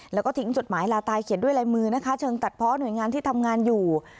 แล้วก็ทิ้งจดหมายลาตายเขียนด้วยลายมือนะคะเชิงตัดเพาะหน่วยงานที่ทำงานอยู่